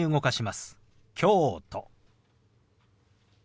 「京都」。